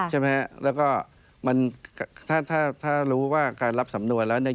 ใช่ไหมฮะแล้วก็มันถ้าถ้ารู้ว่าการรับสำนวนแล้วเนี่ย